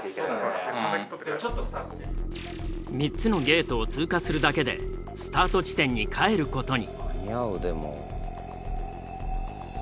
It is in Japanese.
３つのゲートを通過するだけでスタート地点に帰ることに。